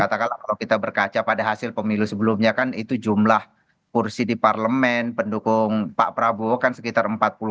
katakanlah kalau kita berkaca pada hasil pemilu sebelumnya kan itu jumlah kursi di parlemen pendukung pak prabowo kan sekitar empat puluh lima